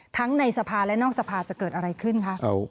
ในสภาและนอกสภาจะเกิดอะไรขึ้นคะ